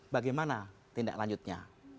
bagaimana tindak lanjutnya